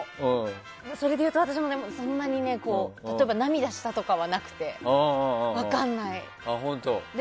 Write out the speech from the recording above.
それでいうと私もそんなに涙したとかはなくて分からない。